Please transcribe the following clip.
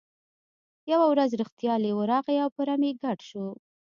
یوه ورځ رښتیا لیوه راغی او په رمې ګډ شو.